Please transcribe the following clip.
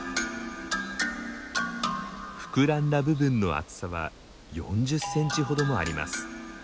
膨らんだ部分の厚さは４０センチほどもあります。